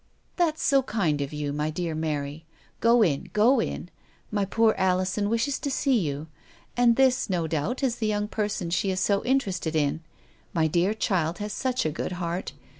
"That's so kind of you, my dear Mary. Go in — go in. My poor Alison wishes to see you. And this, no doubt, is the youug per son she is so interested in. My dear child has such a good heart.